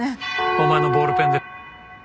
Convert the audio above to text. お前のボールペンで。